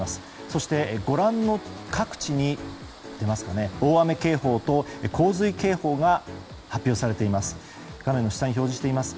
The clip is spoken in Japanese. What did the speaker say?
そして、ご覧の各地に大雨警報と洪水警報が発表されています。